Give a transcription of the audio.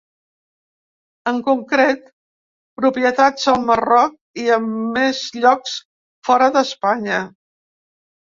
En concret, propietats al Marroc i a més llocs fora d’Espanya.